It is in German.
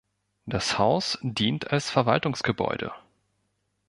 Das Haus dient als Verwaltungsgebäude.